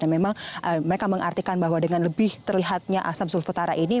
yang memang mereka mengartikan bahwa dengan lebih terlihatnya asam sulfutara ini